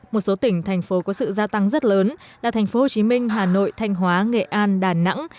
một số tỉnh thành phố có sự gia tăng rất lớn là tp hcm hà nội thanh hóa nghệ an đà nẵng